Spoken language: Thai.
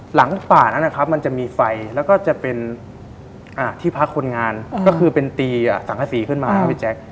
หลังป่านั้นนะครับมันจะมีไฟแล้วก็จะเป็นที่พักคนงานก็คือเป็นตีสังกษีขึ้นมาครับพี่แจ๊ค